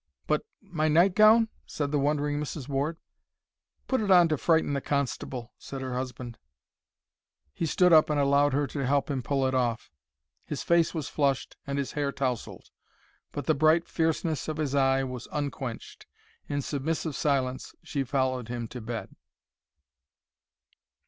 "But—my nightgown?" said the wondering Mrs. Ward. "Put it on to frighten the constable," said her husband. He stood up and allowed her to help him pull it off. His face was flushed and his hair tousled, but the bright fierceness of his eye was unquenched. In submissive silence she followed him to bed.